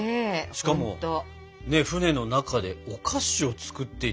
しかも船の中でお菓子を作っていた知らなかったね。